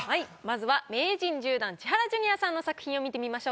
まずは名人１０段千原ジュニアさんの作品を見てみましょう。